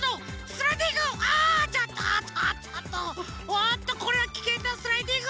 おっとこれはきけんなスライディング。